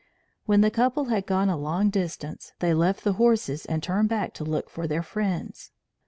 When the couple had gone a long distance, they left the horses and turned back to look for their friends.